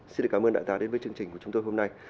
xin cảm ơn đại tá đến với chương trình của chúng tôi hôm nay